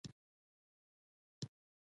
• کنفوسیوس ډېر ژر په لو کې پوه کس وپېژندل شو.